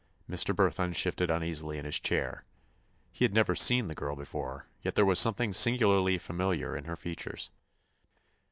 Mr. Burthon shifted uneasily in his chair. He had never seen the girl before, yet there was something singularly familiar in her features.